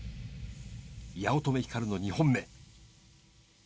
八乙女光の２本目。